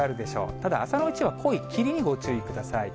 ただ、朝のうちは濃い霧にご注意ください。